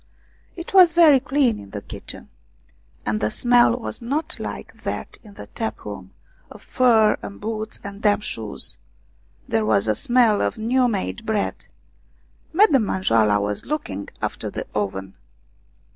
It was very clean in the kitchen, and the smell was not like that in the tap room, of fur and boots and damp shoes ; there was a smell of new made bread. Madame Manjoala was looking after the oven.